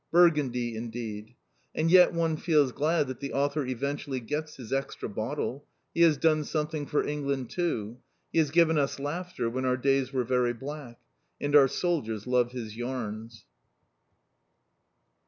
Burgundy, indeed! And yet one feels glad that the author eventually gets his extra bottle. He has done something for England too. He has given us laughter when our days were very black. And our soldiers love his yarns!